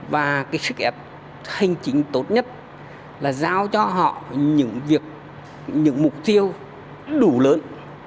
và cái sức ép hành chính tốt nhất là giao cho họ những việc những mục tiêu đủ lớn